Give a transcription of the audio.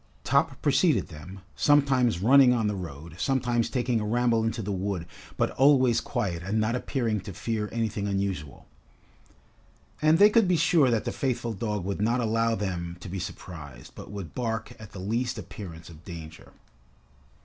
Top preceded them, sometimes running on the road, sometimes taking a ramble into the wood, but always quiet and not appearing to fear anything unusual. And they could be sure that the faithful dog would not allow them to be surprised, but would bark at the least appearance of danger.